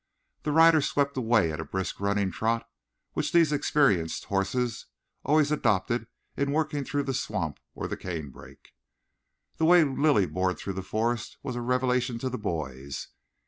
The riders swept away at a brisk running trot, which these experienced horses always adopted in working through the swamp or the canebrake. The way Lilly bored through the forest was a revelation to the boys.